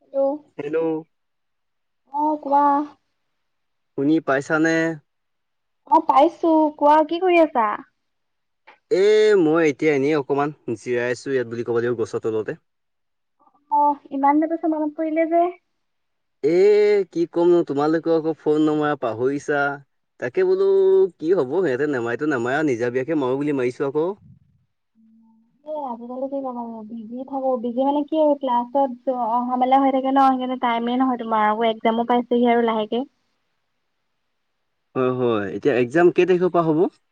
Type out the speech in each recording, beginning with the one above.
Hello. Hello. অ', কোৱা। শুনি পাইছানে? অ', পাইছোঁ, কোৱা কি কৰি আছা? এ মই এতিয়া এনেই অকণমান জিৰাই আছো ইয়াত বুলি ক'ব লাগিব, গছৰ তলতে। অ', ইমান দিনৰ পিছত মনত পৰিলে যে। এ কি ক'ম নো তোমালোকে আকৌ ফোন নামাৰা পাহৰিছা। তাকে বোলো কি হ'ব সিহঁতে নেমাৰেতো নেমাৰে আৰু নিজাবিয়াকে মাৰো বুলি মাৰিছো আকৌ। [inaudible] এ আজিকালি কি ন বিজি থাকো, বিজি মানে কি ক্লাছত অহা মেলা হৈ থাকে ন সেকা টাইমে নহয় তোমাৰ আৰু এক্সাম পাইছেহি আৰু লাহেকে। হয়, হয়, এতিয়া এক্সাম কেই তাৰিখৰ পৰা হ'ব?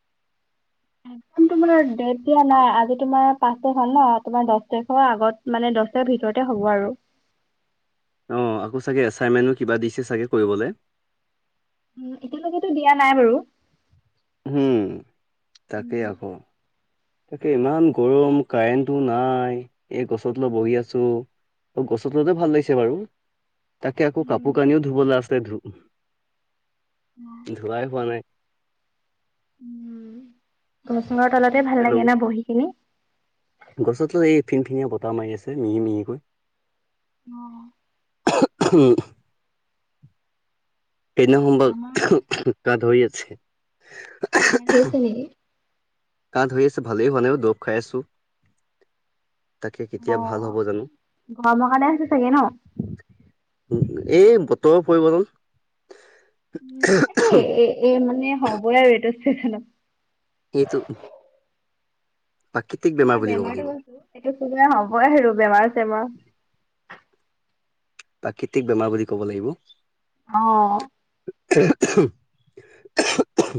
একদম তোমাৰ ডেট দিয়া নাই আজি তোমাৰ পাঁচ তাৰিখ হল ন তোমাৰ দহ তাৰিখৰ আগত মানে দহ ভিতৰতে হ'ব আৰু। অ', আকৌ চাগে এছাইনমেণো কিবা দিছে চাগে কৰিবলৈ। উ এতিয়ালৈকেতো দিয়া নাই বাৰু। উম তাকেই উম আকৌ। তাকে ইমান গৰম কাৰেণ্টটো নাই এই গছৰতলত বহি আছোঁ। ও গছ তলতে ভাল লাগিছে বাৰু তাকে আকৌ কাপোৰ কানিও ধুবলৈ আছিলে ধ ধোৱাই হোৱা নাই। উ গছৰ তলতে ভাল লাগে না বহি কিনি। গছতত এই ফিনফিনীয়া বতাহ মাৰি আছে মিহি মিহিকৈ। অ'। উম। এনেও হ'ব আমাৰ গা ধৰি আছে। হে ধৰিছে নেকি। কা ধৰিছে ভালেই হোৱা নাই দৰব খাই আছোঁ। তাকে কেতিয়া ভাল হ'ব অ' জানো। গৰমৰ কাৰণে হৈছে চাগে ন? এই বতৰৰ পৰিৱৰ্তন। উ এ, এ মানে হ'বই আৰু এইটো চিজনত। সেইটো। বেমাৰ ন বুলি ক'ব বেমাৰো লাগিব কৈছো সেইটো চুলে হবই সে বেমাৰ চেমাৰ। প্ৰাকৃতিক বেমাৰ বুলি ক'ব লাগিব। অ'। ক [unintelligible]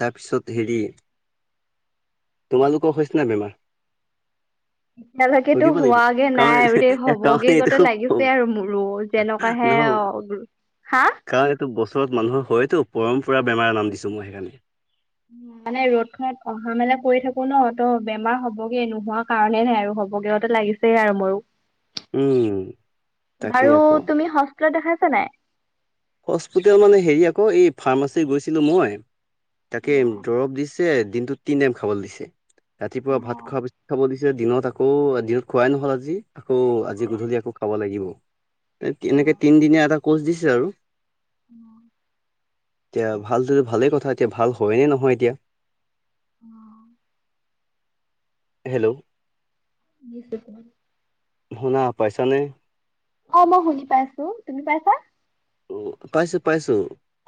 তাৰপিছত হেৰি তোমালোকৰ হৈছে নে বেমাৰ? এতিয়ালৈকেতো সুধিব লাগিব হোৱাগে কাৰণ নাই আৰু দেই কাৰণ হবগে গতে এইটো লাগিছে আৰু মোৰো। যেনেকুৱ হে অ', হা টো বছৰত মানুহৰ হয়তো পৰম্পৰা বেমাৰ নাম দিছোঁ মই সেইকাৰণে। মানে ৰ'দ খত অহা মেলা কৰি থাকো ন ত' বেমাৰ হ'ব গে নোহোৱা কাৰণে নাই আৰু হ'বগেতে লাগিছেই আৰু মোৰো। উম তাকেই বাৰু আকৌ তুমি হস্পিতাল দেখাইছা নাই। হস্পিতেল মানে হেৰি আকৌ এই ফাৰ্মাচী গৈছিলো মই তাকে অ', দৰৱ দিছ দিনটো তিনি টাইম খাবলৈ দিছে ৰাতিপুৱা ভাত অ', খোৱাৰ পিছত খাব দিছে দিনত আকৌ দিনত খোৱাই নহল আজি আকৌ আজি অ', গধূলি আকৌ খাব লাগিব অ', এনেকে অ'। তিনদিনীয়া এটা কোৰ্চ দিছে আৰু অ [unintelligible] এতিয়া ভালটো ভালেই কথা এতিয়া ভাল হয়নে নহয় এতিয়া [unintelligible] হেল্ল' নি্চ [unintelligible] শুনা পাইছা নে অ মই শুনি পাইছো। তুমি পাইছা? অ পাইছো পাইছো।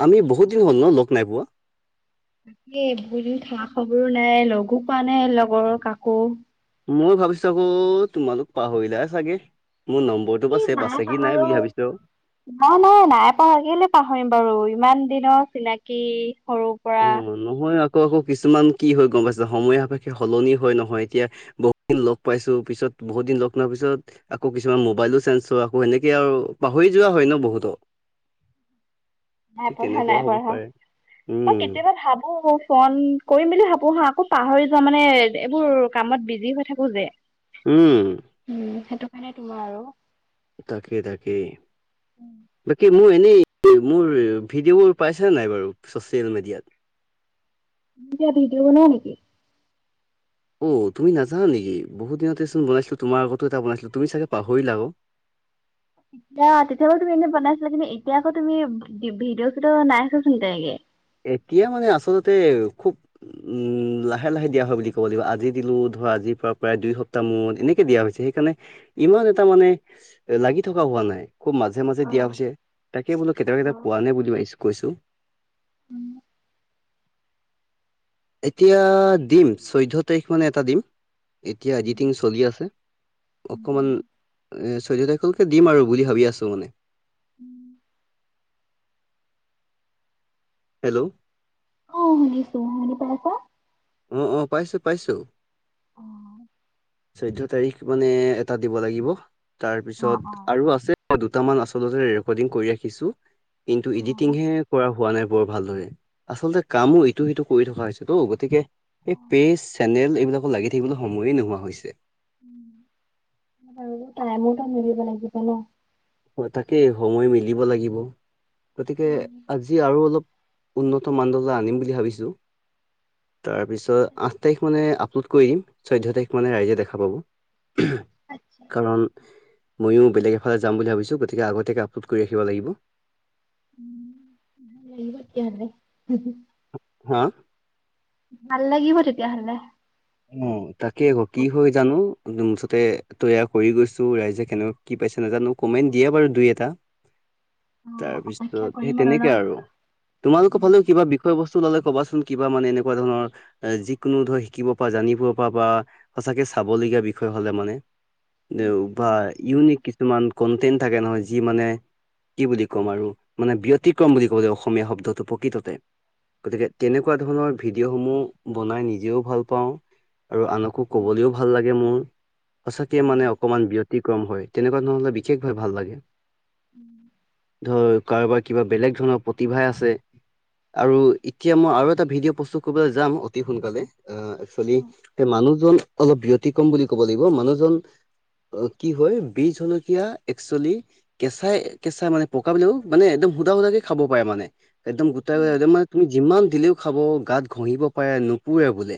আমি বহুত অ দিন হ'ল ন লগ নাই পোৱা? তাকে বহুত দিন খা-খবৰো নাই লগো পোৱা নাই লগৰ কাকো। মই ভাবিছো আকৌ তোমালোক পাহৰিলা চাগে। মোৰ নম্বৰ- এই নম্বৰ চেভ আছে কি নাই পাহৰো বুলি ভাবিছোঁ। নাই নাই নাই পাহাৰ কেলে পাহৰিম বাৰু ইমান দিনৰ চিনাকি সৰুৰ পৰা। অ নহয় আকৌ আকৌ কিছুমান কি হৈ গম পাইছে সময় সাপেক্ষে সলনি হয় নহয় এতিয়া। বহুত দিন লগ পাইছোঁ পিছত বহুত দিন লগ নোপোৱাৰ পিছত। আকৌ কিছুমান মোবাইলো চেঞ্জ হোৱা আকৌ সেনেকে আৰু পাহৰি যোৱা হয় ন বহুতক। নাই পঢ়া, নাই পঢ়া। মই উম কেতিয়াবা ভাবো ফোন কৰিম বুলি ভাবো হা আকৌ পাহৰি- মানে এইবোৰ কামত বিজি হৈ থাকো যে। উম। উম সেইটো কাৰণে তোমাৰ আৰু। তাকে, তাকে। বাকী মোৰ এনেই মোৰ ভিডিঅ'বোৰ পাইছে নাই বাৰু ছচিয়েল মিডিয়াত? এতিয়া ভিডিঅ বনোৱা নেকি? অ তুমি নাজানা নেকি বহুদিনতে চোন বনাইছিলো তোমাৰ আগত এটা বনাইছিলো তুমি চাগে পাহৰিলা অ। তেতিয়া তেতিয়া বাৰু তুমি এনেই বনাইছিলা। কিন্তু এতিয়া আকৌ তুমি ভিডিঅ চিডিঅ নাই চোৱাচোন তেনেকে। এতিয়া মানে আচলতে খুব। উম লাহে লাহে দিয়া হয় বুলি ক'ব লাগিব আজি দিলো ধৰ আজিৰ পৰা প্ৰায় দুই সপ্তাহ মূৰত এনেকে দিয়া হৈছে। সেইকাৰণে ইমান এটা মানে লাগি থকা হোৱা নাই, খুব মাজে মাজে অ দিয়া হৈছে। তাকে বোলো কেতিয়াবা অ। কেতিয়াবা পোৱা নাই বুলি ভাবিছোঁ কৈছোঁ। উম এতিয়া দিম চৈধ্যয় তাৰিখ মানে এটা দিম, এতিয়া অ', এডিটিং চলি আছে। অকমান এ চৈধ্যয় তাৰিখলৈকে দিম আৰু বুলি ভাবি আছো মানে। হেল্ল' অ শুনিছো শুনি পাইছা? অ অ পাইছো পাইছো। অ', চৈধ্যয় তাৰিখ মানে এটা দিব লাগিব, অ', তাৰপিছত অ', আৰু আছে। অ দুটামান আচলতে ৰেকৰ্ডিং কৰি ৰাখিছো। কিন্তু এডিটিংহে কৰা হোৱা নাই বৰ ভালদৰে। আচলতে কামো ইটো সিটো কৰি থকা হৈছে তো গতিকে। এই অ', পেজ চেনেল এইবিলাকো লাগি থাকিবলৈ সময়ে নোহোৱা হৈছে। বাৰু টাইমোটো মিলিব লাগিব ন? হয় তাকে সময় মিলিব লাগিব। গতিকে আজি আৰু অলপ উন্নত মানডলাই আনিম বুলি ভাবিছোঁ। তাৰপিছত আঠ তাৰিখ মানে আপলোড কৰি দিম চৈধ্য় তাৰিখ মানে ৰাইজে দেখা পাব। হ [unintelligible] আচ্ছা। কাৰণ মইয়ো বেলেগ এফালে যাম বুলি ভাবিছো গতিকে আগতীয়াকে আপলোড কৰি ৰাখিব লাগিব। উম। বনে [unintelligible] হা ভাল লাগিব তেতিয়াহ'লে। অ তাকে আকৌ কি অ', হয় জানো মুঠতে। তৈয়াৰ কৰি গৈছো ৰাইজে কেনেকুৱ কি পাইছে নাজানো কমেণ্ট দিয়ে বাৰু দুই এটা। অ, তাৰপিছত অপেক্ষা সেই কৰিম ন? তেনেকে আৰু তোমালোকৰ উম, ফালেও কিবা বি বিষয় বস্তু ওলালে ক'বাচোন কিবা মানে এনেকুৱা ধৰণৰ যিকোনো ধৰ শিকিব জানিব পাবা সঁচাকে চাবলগীয়া বিষয় হলে মানে। নিশ্চয়, বা নিশ্চয়। ইউনিক কিছুমান কন্টেনট থাকে নহয় যি মানে। কি বুলি ক'ম আৰু মানে ব্যতিক্ৰম বুলি ক'বলে অসমীয়া শব্দটো প্ৰকৃততে। গতিকে তেনেকুৱা ধৰণৰ ভিডিঅ' সমূহ বনাই নিজেও ভাল পাওঁ আৰু আনকো উম, কবলৈও ভাল লাগে মোৰ সঁচাকে মানে উম, অকমান বি অতিক্ৰম হয় তেনেকুৱা নহলে বিশেষভাৱ ভাল লাগে। উম। ধৰ কাৰোবাৰ কিবা বেলেগ ধৰণৰ প্ৰতিভা আছে আৰু এতিয়া মই আৰু এটা ভিডিঅ প্ৰস্তুত কৰিবলৈ যাম অতি সোনকালে আহ একচুৱেলি মানুহজন অলপ ব্যতিক্ৰম বুলি ক'ব লাগিব মানুহজন অ' কি হয় বীহ জলকীয়া একচুৱেলি কেঁচাই কেঁচাই মানে পকা বিলাকো মানে একদম সুধা সুধাক কে খাব পাৰে মানে একদম গোটাই উম, একদম মানে তুমি যিমান দিলেও খাব গাত ঘঁহিব পাৰে নোপোৰে বোলে।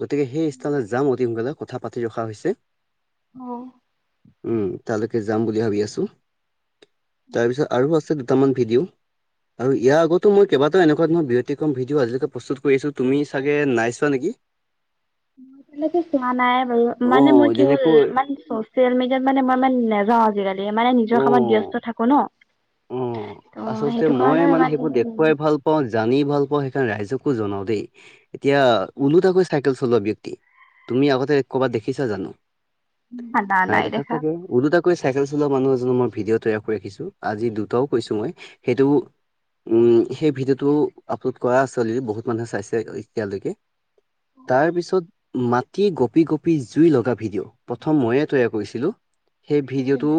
গতিকে সেই উম, স্থানত যাম অতি সোনকালে কথা পাতি ৰখা হৈছে অ' উম তালৈকে যাম বুলি ভাবি আছো উম। তাৰপিছত আৰু আছে দুটামান ভিডিঅ' আৰু ইয়াৰ আগটো মই কেইবাটাও এনেকুৱা ধৰ ব্যতিকম ভিডিঅ' আজিলৈ প্ৰস্তুত কৰিছো তুমি চাগে নাই চোৱা নেকি? মই তেনেকে চোৱা নাই বাৰু মানে অ', মই কি হ'ল যেনেকৈ মান চচিয়েল মিডিয়াত মানে মই ই নাযাও আজিকালি মানে অ', নিজৰ কামত ব্যস্ত থাকো ন অ' ত' আচলতে সেইটো মই কাৰণে মানে সেইবোৰ ইমান দেখুৱাই ভাল ভালপাওঁ জানি ভালপাওঁ আৰু মই সেইকাৰণে ৰাইজকো জনাও দেই এতিয়া ওলোটাকৈ চলোৱা ব্যক্তি তুমি আগতে ক'বাত দেখিছা জানো নাই দেখা ছাগে উলোটাকৈ চাইকেল চলোৱা মানুহ এজনৰ মই ভিডিঅ' তৈয়াৰ কৰি ৰাখিছো আজি দুটাও কৈছো মই সেইটো উম, সেই ভিডিঅ' টো আপলোড কৰা আচল বহুত মানুহে চাইছে এতিয়ালৈকে তাৰ পিছত মাটি গপি - গপি জুই লগা ভিডিঅ' প্ৰথম মইয়ে তৈয়াৰ কৰিছিলোঁ সেই অ', ভিডিঅ'টো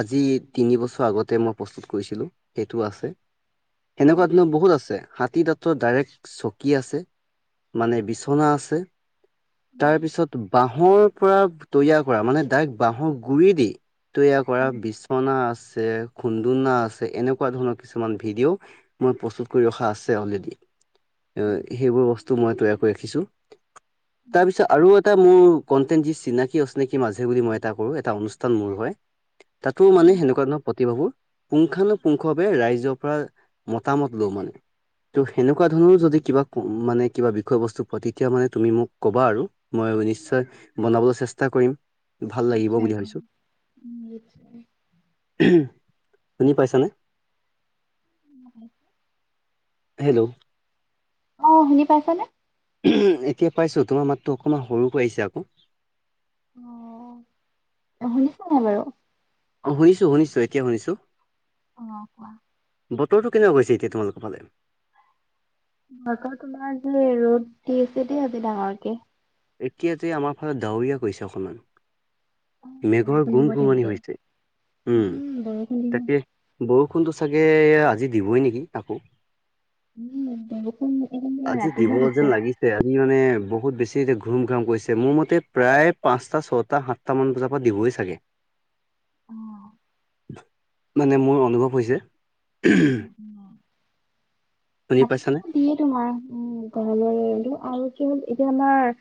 আজি তিনি বছৰ আগতে মই প্ৰস্তুত কৰিছিলোঁ সেইটো আছে। সেনেকুৱা ধৰণৰ বহুত আছে হাতী তাঁতৰ ডাইৰেক্ট চকী আছে। মানে বিচনা আছে। তাৰপিছত বাহৰ পৰা তৈয়াৰ কৰা মানে ডাইৰেক্ট বাহৰ গুৰি দি তৈয়াৰ কৰা বিচনা আছে খুন্দুনা আছে এনেকুৱা ধৰণৰ কিছুমান ভিডিঅ। মই প্ৰস্তুত কৰি ৰখা আছে অলৰেডি সেইবোৰ বস্তু মই তৈয়াৰ কৰি ৰাখিছো। [inaudible] তাৰ পিছত আৰু এটা মোৰ কন্টেন্ট যি চিনাকি অচিনাকি মাজে বুলি মই এটা কৰোঁ এটা অনুষ্ঠান মোৰ হয়। ত' মানে সেনেকুৱা ধৰৰণৰ। বাবু পুংখানুপুংখৱে ৰাইজৰ পৰা মতামত লওঁ মানে। ত' সেনেকুৱা ধৰণৰ যদি কিবা মানে কিবা বিষয়বস্তু পোৱা তেতিয়া মানে তুমি মোক ক'বা আৰু। মই নিশ্চয় বনাবলৈ চেষ্টা কৰিম। ভাল লাগিব বুলি ভাবিছো [inaudible] শুনি পাইছানে। [inaudible] হেল্ল'। অ' শুনি পাইচা নে। এতিয়া পাইছোঁ তোমাৰ মাতটো অকণমান সৰু কৰি আহিছে আকৌ। অ' শুনিছা নাই বাৰু। অ' শুনিছোঁ শুনিছোঁ এতিয়া শুনিছোঁ। অ' কোৱা। বতৰটো কেনে কোৱা কৰিছে এতিয়া তোমোলোকৰ ফালে। তোমাৰ যে ৰ'দ দি আছে আজি ডাঙৰকে। এতিয়াতে আমাৰ ফালত ডাৱৰীয়া কৰিছে অকনমান। অ', মেঘৰ বৰষুণ গুম দিব গুমনি তেন্তে। হৈছে উম বৰষুণ দিব। তাকে। বৰষুণটো চাগে আজি দিবই নেকি আকৌ। [unintelligible] আমি মানে বহুত বেছি এতিয়া ঘুম ঘাম কৰিছে মোৰ মতে প্ৰায় পাঁচটা ছয়টা সাতটা মান বজাত। দিবই চাগে। অ। মানে মোৰ অনুভৱ হৈছে। শুনি পাইছানে। এয়ে তোমাৰ উম গৰমৰ আৰু কি হ'ল এতিয়া আমাৰ।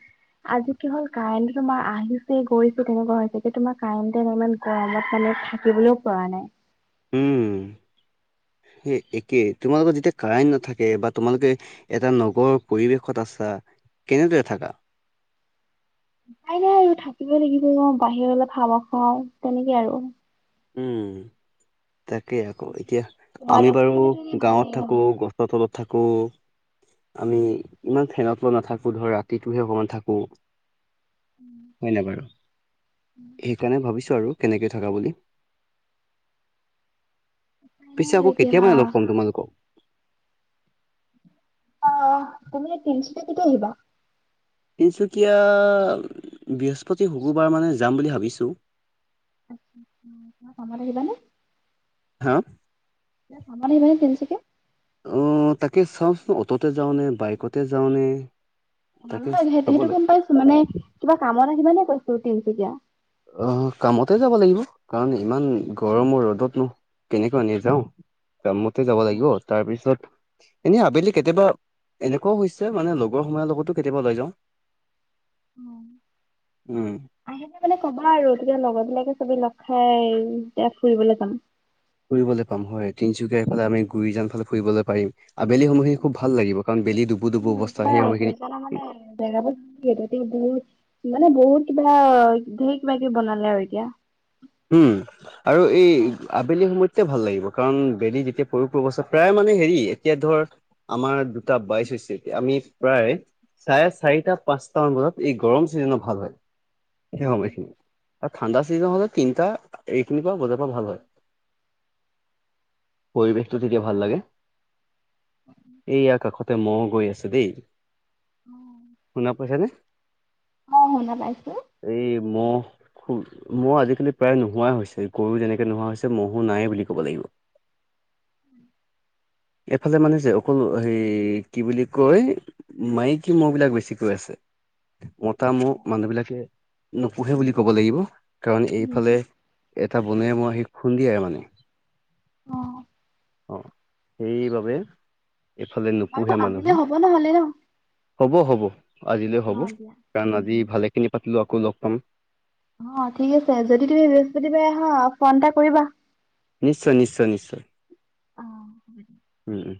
আজি কি হ'ল কাৰেণ্ট তোমাৰ আহিছে গৈছে তেনেকুৱা হৈছে যে তোমাৰ কাৰেণ্টে ইমান। গৰমত মানে থাকিবলৈও পৰা নাই। উম একেই তোমালোকৰ যেতিয়া কাৰেণ্ট নাথাকে বা তোমালোকে। এটা নগৰৰ পৰিৱেশত আছা কেনেদৰে থাককা। তাই নাই আৰু থাকিবই লাগিব অ বাহিৰলৈ ভাব খাওঁ তেনেকে আৰু। উম তাকেই আকৌ এতিয়া তোমাৰ আমি লোকৰ বাৰু ফালেতো এনে গাঁৱত ভালেই থাকো নহয়। গ। তলত থাকো আমি ইমান ফেনত ল নাথাকো ধৰা। টোহে অকমান থাকো হয় নে বাৰু সেইকাৰণে ভাবিছো। আৰু কেনেকৈ থকা বুলি। নাই পিছে আৰু আকৌ এতিয়া কেতিয়াবানে লগ পাম তোমালোকক। অ তুমি তিনিশট কেটো আহিবা। তিনিচুকীয়া বৃহস্পতি শুকুৰবাৰ মানে যাম বুলি ভাবিছোঁ। তোমাৰ কামত আহিবাানে। হা। আমাৰ আহিব মানে তেতিচকে। অ তাকে চাওঁচোন অটোতে যাওঁনেে বাইকতে যাওঁনেে অ নহয় স সেইটো গম পাইছো মানে কিবা কামত আহ কিবা নে কৈছো তিনচুকীয়া। আহ কামতে যাব লাগিব কাৰণ ইমান গৰমৰ ৰ'দত ন তেনেকৈ নেযাও টাইমতে যাব লাগিব তাৰপিছত এনেই আবেলি কেতিয়াবা এনেকুৱাও হৈছে মানে লগৰ সমনীয়াৰ লগতো কেতিয়াবা ওলাই যাওঁ উম আহিলে মানে ক'বা আৰু তেতিয়া লগৰ বিলাকে চবে লগ খাই তেতিয়া ফুৰিবলে যাম ফুৰিবলৈ পাম হয় তিনিচুকীয়াৰফালে আমি গুৰিজান ফালে ফুৰিব পাৰিম আবেলি সময়খিনি খুব ভাল লাগিব কাৰণ বেলি ডুবু ডুবু অৱস্থা সেই সময়খিনি মই মানে জেগাবোৰ এতিয়া বহুত মানে বহুত কিবা ধেৰ কিবা কিবি বনালে আৰু এতিয়া উম আৰু এই আবেলি সময়তোতে ভাল লাগিব কাৰণ বেলি যেতিয়া পৰো পৰো অৱস্থাত হেয়াই মানে হেৰি এতিয়া ধৰ আমাৰ দুটা বাইছ হৈছে এতিয়া আমি প্ৰায় চাৰে চাৰিটা পাঁচটা মান বজাত এই গৰম চিজনত ভাল হয় সেই সময়খিনি আৰু ঠাণ্ডা চিজন হলে তিনিটা এইখিনি পা বজা পা ভাল হয় পৰিৱেশটো তেতিয়া ভাল লাগে এইয়া কাষতে ম'হ গৈ আছে দেই উম শুনা পইছা নে অ শুনা পাইছো এই মহ খুন মহ আজিকা কিন্তু প্ৰায় নোহোৱা হৈছে গৰু যেনেকে নোহোৱা হৈছে মহো নাই বুলি ক'ব লাগিব এফালে মানে যে অকল হে কি বুলি কয় মাইকী মহ বিলাক বেছিকৈ আছে মতা মহ উম মানুহবিলাকে নোপোহে বুলি ক'ব লাগিব কাৰণ এইফালে এটা বনৰীয়া মহে খুন্দিয়াই মানে অ অঁ সেইবাবে এইফালে নোপোহে বাৰু মানুহে আজিলে হ'ব নহ'লে ন? হ'ব হ'ব আজিলৈ হ'ব অ', দিয়া। কাৰণ আজি উম, ভালেখিনি পাতিলো আকৌ লগ পাম অ ঠিক আছে যদি তুমি বৃহস্পতিবাৰে আহা ফোন এটা কৰিবা নিশ্চয় নিশ্চয় নিশ্চয় অ'। উম উম